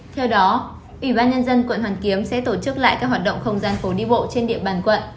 theo đó ủy ban nhân dân quận hoàn kiếm sẽ tổ chức lại các hoạt động không gian phố đi bộ trên địa bàn quận